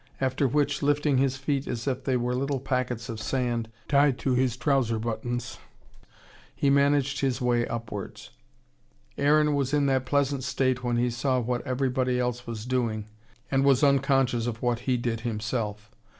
After which, lifting his feet as if they were little packets of sand tied to his trouser buttons, he manipulated his way upwards. Aaron was in that pleasant state when he saw what everybody else was doing and was unconscious of what he did himself.